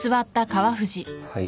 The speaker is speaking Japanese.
はい。